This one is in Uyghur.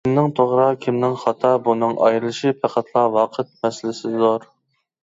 كىمنىڭ توغرا، كىمنىڭ خاتا بۇنىڭ ئايرىلىشى پەقەتلا ۋاقىت مەسىلىسىدۇر.